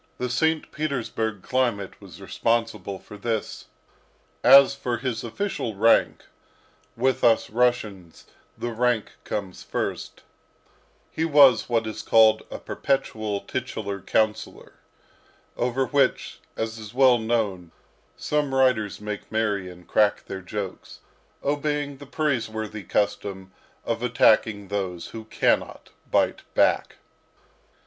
The St. Petersburg climate was responsible for this. As for his official rank with us Russians the rank comes first he was what is called a perpetual titular councillor, over which, as is well known, some writers make merry and crack their jokes, obeying the praiseworthy custom of attacking those who cannot bite back.